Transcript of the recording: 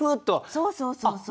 そうそうそうそう。